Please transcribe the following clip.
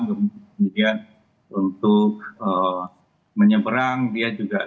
kemudian untuk menyeberang dia juga